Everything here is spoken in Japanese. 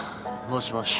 もしもし。